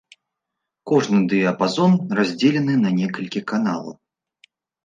Кожны дыяпазон раздзелены на некалькі каналаў.